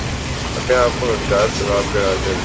اپنے آپ کو حقدار ثواب قرار دے لیتےہیں